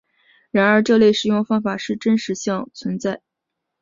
然而这种食用方法真实性存疑。